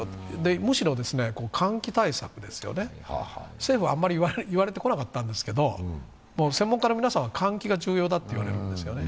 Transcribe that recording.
むしろ換気対策ですよね、政府はあまり言われてこなかったんですけど専門家の皆さんは換気が重要だと言われるんですよね。